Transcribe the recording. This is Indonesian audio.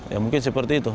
ya mungkin seperti itu